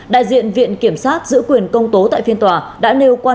đại diện viện kiểm sát giữ quyền công tố tại phiên tòa đã nêu quan